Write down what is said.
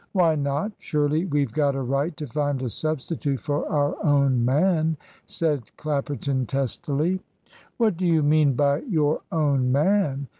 "Why not? Surely we've got a right to find a substitute for our own man," said Clapperton, testily. "What do you mean by your own man?